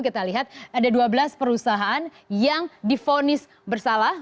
kita lihat ada dua belas perusahaan yang difonis bersalah